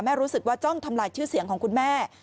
รู้สึกว่าจ้องทำลายชื่อเสียงของคุณแม่